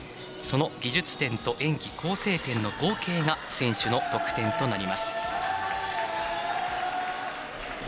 その技術点と演技構成点の合計が合計が選手の得点となります。